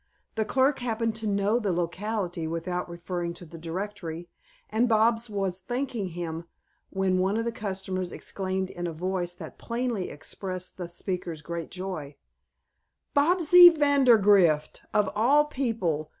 The clerk happened to know the locality without referring to the directory, and Bobs was thanking him when one of the customers exclaimed in a voice that plainly expressed the speaker's great joy: "Bobsy Vandergrift, of all people!